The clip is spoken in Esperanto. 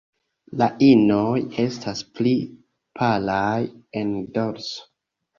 La inoj estas pli palaj en dorso.